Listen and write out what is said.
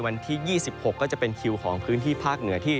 วันที่๒๖ก็จะเป็นคิวของพื้นที่ภาคเหนือที่